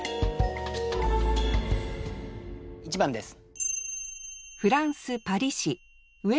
１番です。